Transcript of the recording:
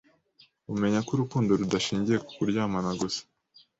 Umenya ko urukundo rudashingiye ku kuryamana gusa